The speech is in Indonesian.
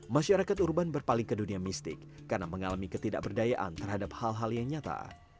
masyarakat urban berpaling ke dunia mistik karena mengalami ketidakberdayaan terhadap hal hal yang nyata